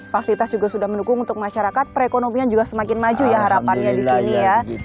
fasilitas juga sudah mendukung untuk masyarakat perekonomian juga semakin maju ya harapannya di sini ya